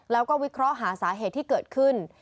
แล้วก็วิเคราะห์หาสาเหตุที่เกิดขึ้น